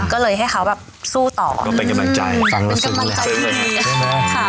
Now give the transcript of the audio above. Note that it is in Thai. ก็เลยให้เขาแบบสู้ต่อก็เป็นกำลังใจฟังเป็นกำลังใจดีใช่ไหมค่ะ